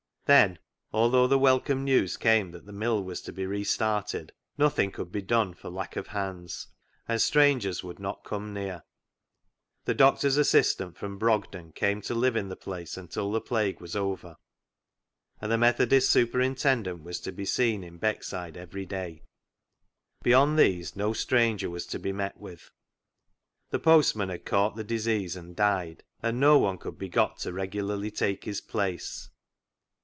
Then, although the welcome news came that the mill was to be restarted, nothing could be done for lack of hands, and strangers would not come near. The doctor's assistant from Brogden came to live in the place until the plague was over, and the Methodist superintendent was to be seen in Beckside every day. Beyond these no stranger was to be met with. The postman had caught the disease and died, and no one could be got to regularly take his place.